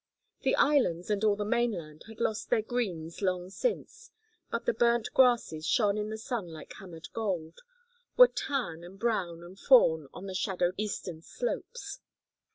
The Islands and all the mainland had lost their greens long since, but the burnt grasses shone in the sun like hammered gold; were tan and brown and fawn on the shadowed eastern slopes.